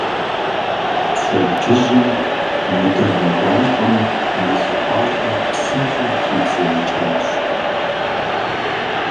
Пщэдджыжьым мо дыгъэ гуащӀэм мыл пӀащӀэр псынщӀэу трибзеикӀащ.